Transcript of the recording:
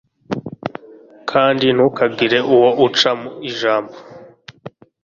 kandi ntukagire uwo uca mu ijambo